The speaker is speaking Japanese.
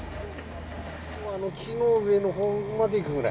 木の上のほうまでいくぐらい。